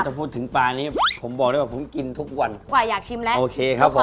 ถ้าพูดถึงปลานี้ผมบอกเลยว่าผมกินทุกวันกว่าอยากชิมแล้วโอเคครับผม